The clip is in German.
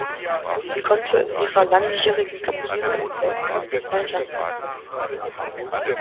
Sie konnte in ihrer langjährigen Karriere im Weltcup zwei Rennen gewinnen.